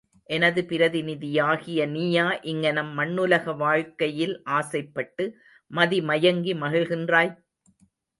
எனது பிரதிநிதியாகிய நீயா இங்ஙனம் மண்ணுலக வாழ்க்கையில் ஆசைப்பட்டு மதி மயங்கி மகிழ்கின்றாய்?